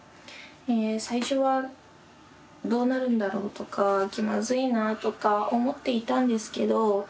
え最初はどうなるんだろうとか気まずいなとか思っていたんですけど。